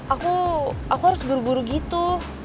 aku aku harus buru buru gitu